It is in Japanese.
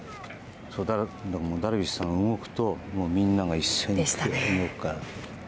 ダルビッシュさんが動くとみんなが一斉に動くから。